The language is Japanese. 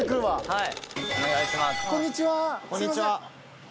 はい。